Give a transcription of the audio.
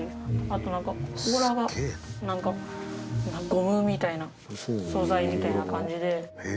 あとなんか甲羅がなんかゴムみたいな素材みたいな感じで。